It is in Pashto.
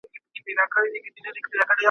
مینه اکثره د مادي اړتیا له مخې پیدا کیږي.